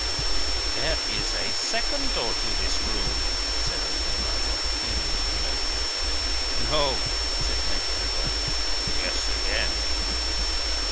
"There is a second door to this room?" said Obenreizer, appealing to the notary. "No," said Maitre Voigt. "Guess again."